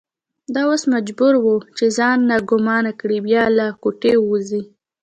دا اوس مجبوره وه چې ځان ناګومانه کړي یا له کوټې ووځي.